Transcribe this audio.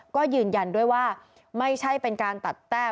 ก็ยืนยันด้วยว่าไม่ใช่เป็นการตัดแต้ม